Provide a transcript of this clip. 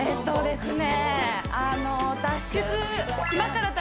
そうですね